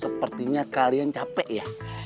sepertinya kalian capek ya